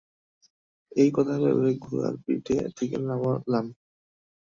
এই কথা ভেবে ঘোড়ার পিঠ থেকে নামলাম।